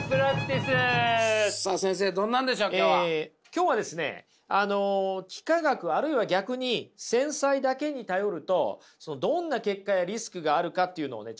今日はですね幾何学あるいは逆に繊細だけに頼るとどんな結果やリスクがあるかっていうのをね